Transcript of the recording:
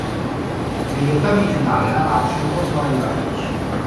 Negli Ottavi di finale la Lazio incontrò la Juventus.